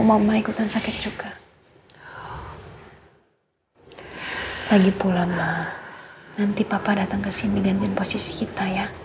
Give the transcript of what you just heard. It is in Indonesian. mama nanti kalau udah sampe rumah langsung istirahat ya